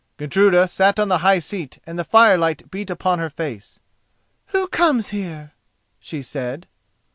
Gudruda sat on the high seat and the firelight beat upon her face. "Who comes here?" she said.